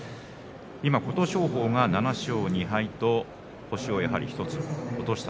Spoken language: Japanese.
琴勝峰が７勝２敗星を１つ落としました。